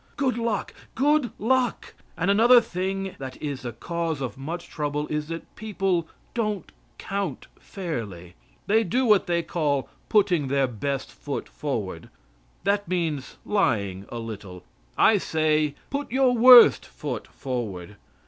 Good luck! Good luck! And another thing that is the cause of much trouble is that people don't count fairly. They do what they call putting their best foot forward. That means lying a little. I say put your worst foot forward.